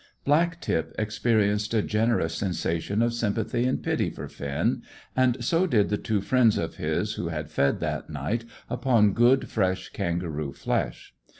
Black tip experienced a generous sensation of sympathy and pity for Finn, and so did the two friends of his who had fed that night upon good fresh kangaroo flesh.